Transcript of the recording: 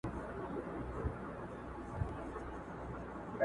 • موږ په ازل کاږه پیدا یو نو بیا نه سمیږو -